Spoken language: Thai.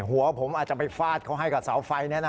หัวผมอาจจะไปฟาดเขาให้กับเสาไฟ